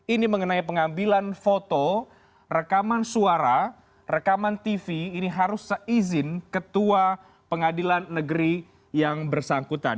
ini mengenai pengambilan foto rekaman suara rekaman tv ini harus seizin ketua pengadilan negeri yang bersangkutan